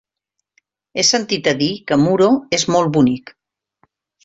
He sentit a dir que Muro és molt bonic.